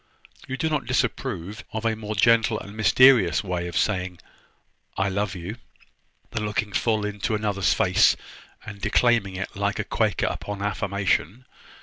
You do not disapprove of a more gentle and mysterious way of saying, `I love you,' than looking full in one another's face, and declaiming it like a Quaker upon affirmation?